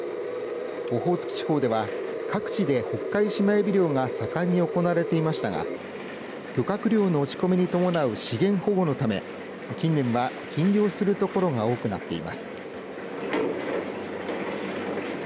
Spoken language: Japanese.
オホーツク地方では各地でホッカイシマエビ漁が盛んに行われていましたが漁獲量の落ち込みに伴う資源保護のため近年は禁漁するところが多くなっています。